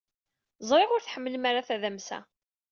Ẓriɣ ur tḥemmlem ara tadamsa.